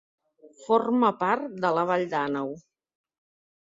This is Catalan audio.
Forma part de la Vall d'Àneu.